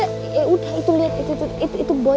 ya udah itu liat itu itu itu